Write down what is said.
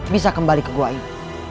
bisa kembali ke gua ini